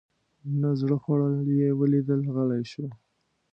نه زړه خوړل یې ولیدل غلی شو.